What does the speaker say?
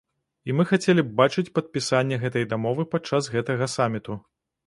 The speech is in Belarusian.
І мы хацелі б бачыць падпісанне гэтай дамовы падчас гэтага саміту.